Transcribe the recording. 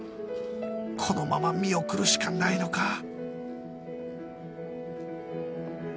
このまま見送るしかないのか？